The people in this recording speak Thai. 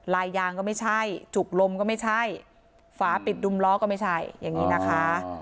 ลายยางก็ไม่ใช่จุกลมก็ไม่ใช่ฝาปิดดุมล้อก็ไม่ใช่อย่างนี้นะคะ